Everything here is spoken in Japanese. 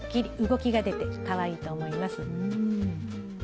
動きが出てかわいいと思います。